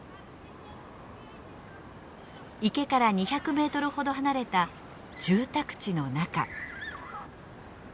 池から２００メートルほど離れた住宅地の中。